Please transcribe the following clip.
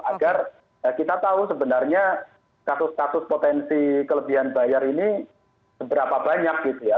agar kita tahu sebenarnya kasus kasus potensi kelebihan bayar ini seberapa banyak gitu ya